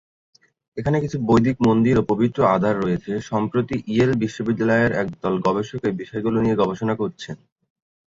এখানে কিছু বৈদিক মন্দির ও পবিত্র আধার রয়েছে, সম্প্রতি ইয়েল বিশ্ববিদ্যালয়ের একদল গবেষক এই বিষয়গুলি নিয়ে গবেষণা করছেন।